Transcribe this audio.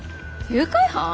誘拐犯？